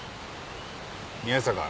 宮坂。